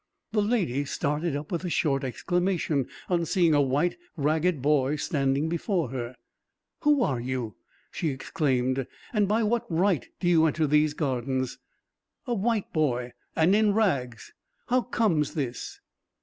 The lady started up, with a short exclamation, on seeing a white, ragged boy standing before her. "Who are you?" she exclaimed, "and by what right do you enter these gardens? A white boy, and in rags, how comes this?"